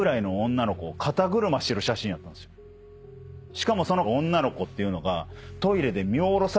しかもその女の子っていうのが。